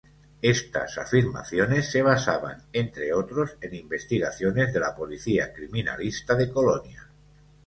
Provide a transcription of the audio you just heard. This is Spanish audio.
Estas afirmaciones se basaban, entre otros, en investigaciones de la policía criminalista de Colonia.